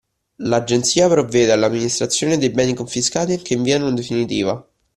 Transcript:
L'Agenzia provvede all'amministrazione dei beni confiscati anche in via non definitiva